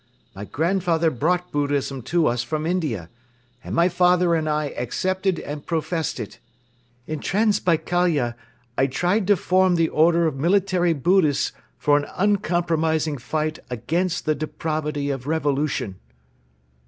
My grandfather brought Buddhism to us from India and my father and I accepted and professed it. In Transbaikalia I tried to form the order of Military Buddhists for an uncompromising fight against the depravity of revolution."